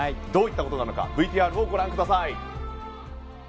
どういったことなのかＶＴＲをご覧ください。